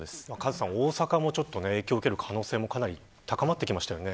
カズさん、大阪も影響を受ける可能性が高まってきましたよね。